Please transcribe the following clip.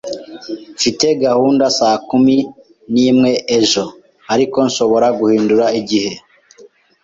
Mfite gahunda saa kumi n'imwe ejo, ariko nshobora guhindura igihe?